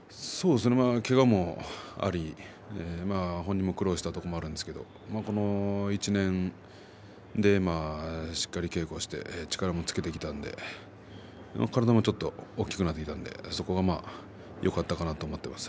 けがもあり本人も苦労したところもあるんですけどこの１年でしっかり稽古をして力もつけてきたので体もちょっと大きくなってきたのでそこはよかったかなと思っています。